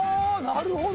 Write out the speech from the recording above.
なるほど！